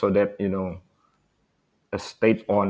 perusahaan yang berada di negara terdiri